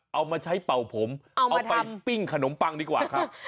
เอามาใช้เป่าผมเอาไปปิ้งขนมปังดีกว่าครับ